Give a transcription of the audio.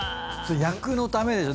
役のためでしょ。